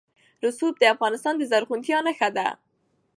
رسوب د افغانستان د زرغونتیا نښه ده.